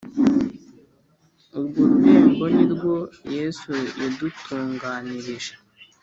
Urwo rurembo nirwo Yesu yadutunganirije